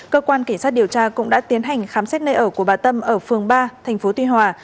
cơ quan kỳ sát điều tra cũng đã tiến hành khám xét nơi ở của bà tâm ở phường ba tp tuy hòa